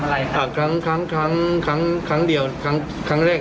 อะไรครับครั้งครั้งครั้งครั้งครั้งครั้งเดียวครั้งครั้งแรก